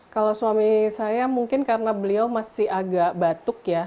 kalau suami saya mungkin karena beliau masih agak batuk ya